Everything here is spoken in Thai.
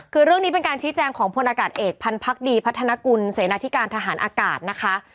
คือเรื่องนี้เป็นการชี้แจงของพลอากาศเอกพันธ์ดีพัฒนากุลเสนาธิการทหารอากาศนะคะ